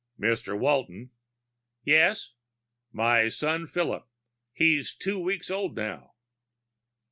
"Mr. Walton...." "Yes?" "My son Philip ... he's two weeks old now...."